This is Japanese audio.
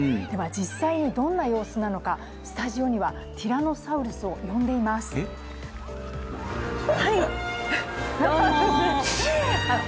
実際にどんな様子なのかスタジオにはティラノサウルスを呼んでいますえっ？